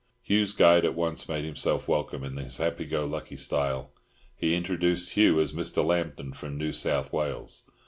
Hugh's guide at once made himself welcome in his happy go lucky style. He introduced Hugh as Mr. Lambton, from New South Wales.